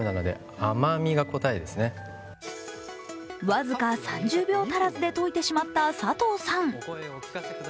僅か３０秒足らずで解いてしまった佐藤さん。